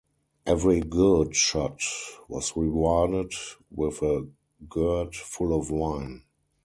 Every good shot was rewarded with a gourd full of wine.